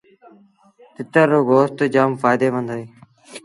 تتر رو گوست جآم ڦآئيدي مند اهي۔